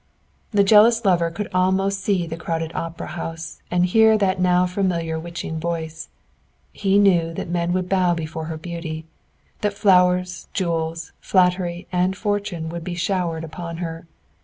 The jealous lover could almost see the crowded opera house and hear that now familiar witching voice. He knew that men would bow before her beauty; that flowers, jewels, flattery and fortune would be showered upon her.